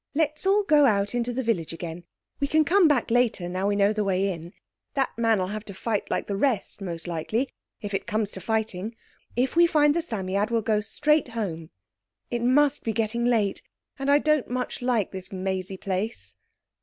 Let's all go out into the village again. We can come back later now we know the way in. That man'll have to fight like the rest, most likely, if it comes to fighting. If we find the Psammead we'll go straight home. It must be getting late, and I don't much like this mazy place."